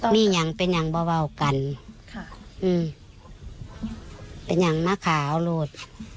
มีอย่างเป็นอย่างเบากันเป็นอย่างมะขาเอาหลูด